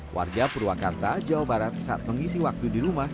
warga purwakarta jawa barat saat mengisi waktu di rumah